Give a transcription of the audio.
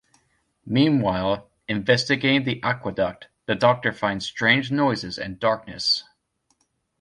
Meanwhile, investigating the aqueduct, the Doctor finds strange noises and darkness.